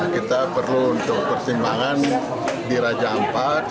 kita perlu untuk pertimbangan di raja ampat